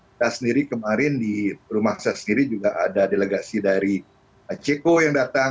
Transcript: saya sendiri kemarin di rumah saya sendiri juga ada delegasi dari ceko yang datang